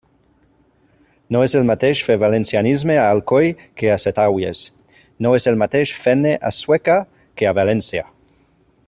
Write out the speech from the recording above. No és el mateix fer valencianisme a Alcoi que a Setaigües, no és el mateix fer-ne a Sueca que a València.